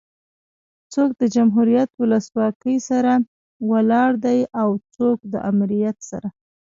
څوک د جمهوريت ولسواکي سره ولاړ دي او څوک ده امريت سره